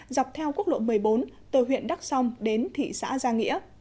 dọc theo quốc lộ một mươi bốn từ huyện đắc sông đến thị xã gia nghĩa